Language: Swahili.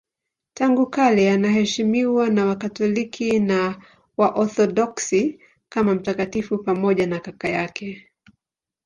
Tangu kale anaheshimiwa na Wakatoliki na Waorthodoksi kama mtakatifu pamoja na kaka yake.